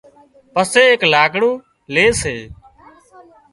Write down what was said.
پسي ايڪ لاڪڙون لي سي